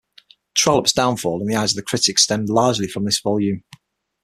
Trollope's downfall in the eyes of the critics stemmed largely from this volume.